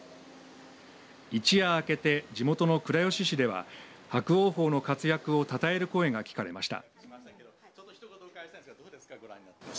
一夜明けて地元の倉吉市では伯桜鵬の活躍をたたえる声が聞かれました。